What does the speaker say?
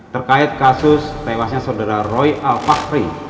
terkait kasus tewasnya saudara roy alpakri